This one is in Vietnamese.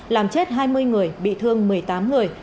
làm chết hai mươi người bị thương một mươi tám người